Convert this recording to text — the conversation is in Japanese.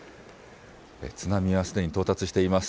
津波はすでに到達しています。